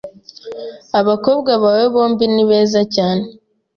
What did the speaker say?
Abakobwa bawe bombi ni beza cyane. .